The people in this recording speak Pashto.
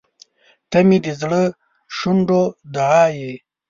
• ته مې د زړه شونډو دعا یې.